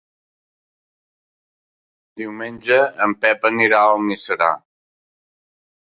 Diumenge en Pep anirà a Almiserà.